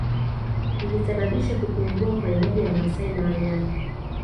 Ilisababisha kupungua kwa idadi ya Wamasai na wanyama